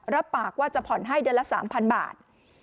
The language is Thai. รับปากว่าจะผ่อนให้เดือนละ๓๐๐บาท